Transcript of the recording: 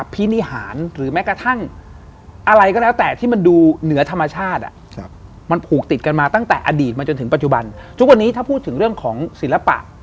ทุกวันนี้ถ้าพูดถึงเรื่องของศิลปะ